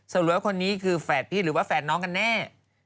สรุปว่าคนนี้คือแฝดพี่หรือว่าแฝดน้องกันแน่